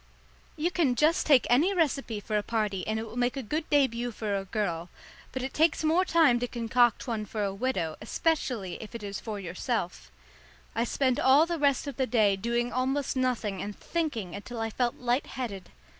You can just take any recipe for a party and it will make a good début for a girl, but it takes more time to concoct one for a widow, especially if it is for yourself. I spent all the rest of the day doing almost nothing and thinking until I felt light headed.